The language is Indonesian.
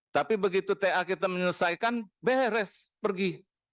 tapi begitu ta kita menyelesaikan beres pergi